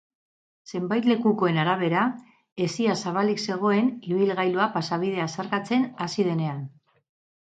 Zenbait lekukoen arabera, hesia zabalik zegoen ibilgailua pasabidea zeharkatzen hasi denean.